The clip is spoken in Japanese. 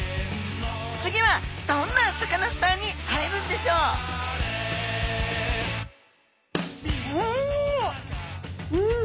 次はどんなサカナスターに会えるんでしょううん！